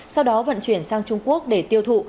sau đó vận chuyển sang trung quốc để tiêu thụ